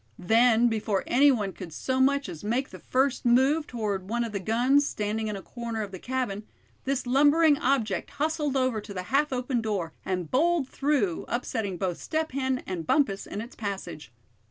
Then, before any one could so much as make the first move toward one of the guns, standing in a corner of the cabin, this lumbering object hustled over to the half open door, and bowled through, upsetting both Step Hen and Bumpus in its passage.